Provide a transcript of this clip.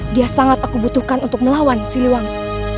dia sangat aku butuhkan untuk melawan siliwangi